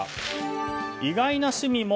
意外な趣味も！